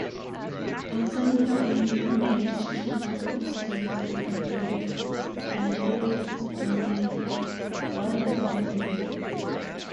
Hurson became engaged to his long-term girlfriend, Bernadette Donnelly, while in prison.